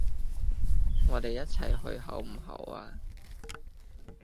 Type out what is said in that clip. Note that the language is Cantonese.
我哋一齊去好唔好啊？